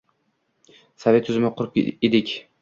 Sovet tuzumi qurib edik.